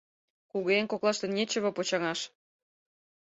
— Кугыеҥ коклаште нечево почаҥаш!